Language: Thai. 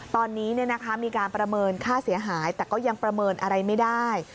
ตอนนี้มีการประเมินค่าเสียหายแต่ก็ยังประเมินอะไรไม่ได้